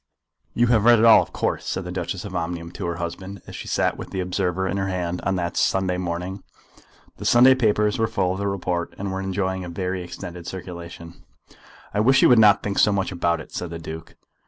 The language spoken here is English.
"You have read it all, of course," said the Duchess of Omnium to her husband, as she sat with the Observer in her hand on that Sunday morning. The Sunday papers were full of the report, and were enjoying a very extended circulation. "I wish you would not think so much about it," said the Duke.